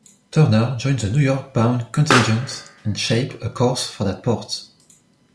"Turner" joined the New York-bound contingent and shaped a course for that port.